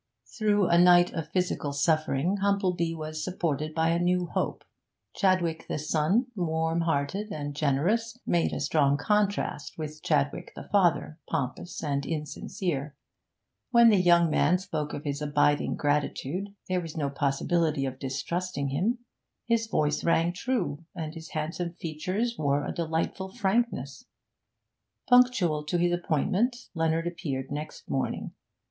Through a night of physical suffering Humplebee was supported by a new hope. Chadwick the son, warm hearted and generous, made a strong contrast with Chadwick the father, pompous and insincere. When the young man spoke of his abiding gratitude there was no possibility of distrusting him, his voice rang true, and his handsome features wore a delightful frankness. Punctual to his appointment, Leonard appeared next morning.